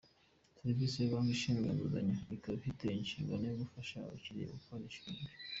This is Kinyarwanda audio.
Serivisi ya Banki, ishinzwe inguzanyo ikaba ifite inshingano yo gufasha abakiriya gukora imishinga.